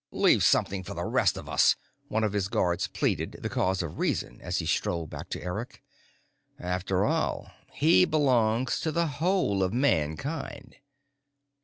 "Leave something for the rest of us," one of his guards pleaded the cause of reason as he strolled back to Eric. "After all, he belongs to the whole of Mankind."